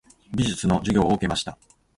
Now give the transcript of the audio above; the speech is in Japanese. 美術の授業を受けました。